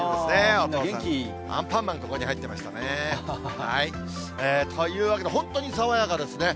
アンパンマン、ここに入ってましたね。というわけで本当に爽やかですね。